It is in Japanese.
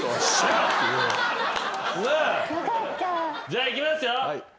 じゃあいきますよ。